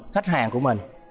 khách hàng của mình